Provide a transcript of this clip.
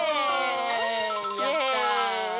やった。